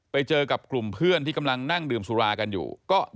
ไปเจอกับกลุ่มเพื่อนที่กำลังนั่งดื่มสุรากันอยู่